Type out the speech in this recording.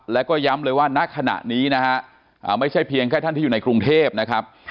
แล้วก็ย้ำเลยว่าณขณะนี้นะฮะไม่ใช่เพียงแค่ท่านที่อยู่ในกรุงเทพนะครับ